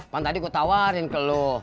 pan tadi gue tawarin ke lo